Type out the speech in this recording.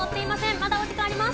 まだお時間あります！